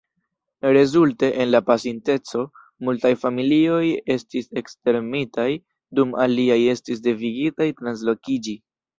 Rezulte, en la pasinteco, multaj familioj estis ekstermitaj, dum aliaj estis devigitaj translokiĝi.